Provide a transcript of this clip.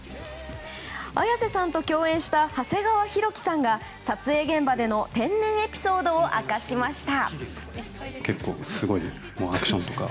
綾瀬さんと共演した長谷川博己さんが撮影現場での天然エピソードを明かしました。